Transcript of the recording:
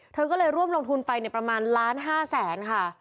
เธอก็เลยร่วมลงทุนไปประมาณล้าน๕แสนค่ะ